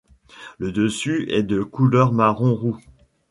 Le dessus est de couleur marron roux.